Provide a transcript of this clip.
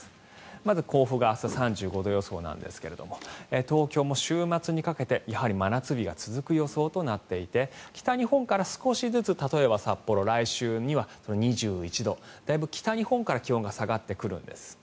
まず甲府が明日、３５度予想なんですが東京も週末にかけてやはり真夏日が続く予想となっていて北日本から少しずつ例えば札幌来週には２１度だいぶ北日本から気温が下がってくるんです。